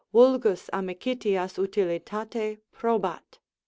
Vulgus amicitias utilitate probat.